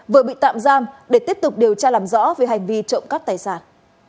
vừa bị tạm giam để tiếp tục điều tra làm rõ về hành vi trộm cắp tài sản